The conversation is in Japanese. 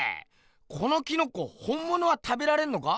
このキノコ本ものは食べられんのか？